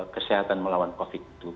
kesehatan melawan covid itu